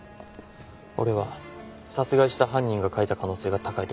俺は殺害した犯人が描いた可能性が高いと思います。